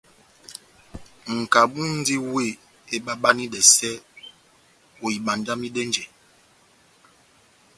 Nʼkabu múndi wéh ebabanidɛsɛ ohibandamidɛnjɛ.